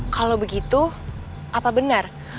kalau begitu apa benar